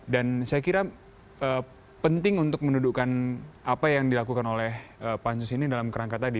dan saya kira penting untuk mendudukan apa yang dilakukan oleh pak ansus ini dalam kerangka tadi